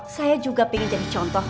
saya juga ingin jadi contoh